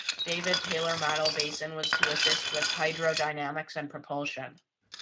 David Taylor Model Basin was to assist with hydrodynamics and propulsion.